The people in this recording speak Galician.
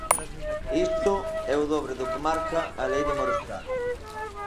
Isto é o dobre do que marca a Lei de morosidade.